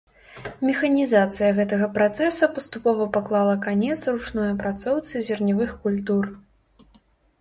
Механізацыя гэтага працэса паступова паклала канец ручной апрацоўцы зерневых культур.